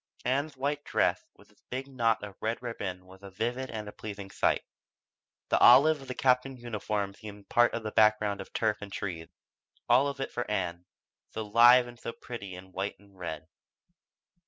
Ann's white dress with its big knot of red ribbon was a vivid and a pleasing spot. The olive of the Captain's uniform seemed part of the background of turf and trees all of it for Ann, so live and so pretty in white and red.